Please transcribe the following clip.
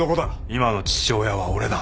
今の父親は俺だ。